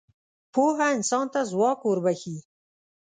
پوهه انسان ته ځواک وربخښي.